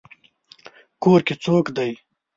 کور کې څوک دی؟